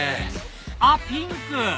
あっピンク！